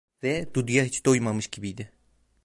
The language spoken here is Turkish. Ve Dudu'ya hiç doymamış gibiydi.